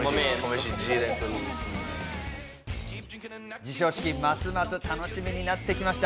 授賞式、ますます楽しみになってきました。